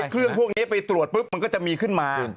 พวกนี้ไปตรวจปุ๊บมันก็จะมีขึ้นมา